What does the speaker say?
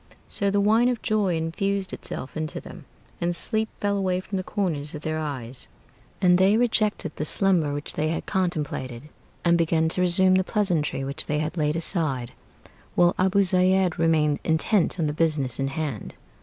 So the wine of joy infused itself into them, And sleep flew away from the corners of their eyes, And they rejected the slumber which they had contemplated, And began to resume the pleasantry which they had laid aside, While Abu Zeid remained intent on the business in hand.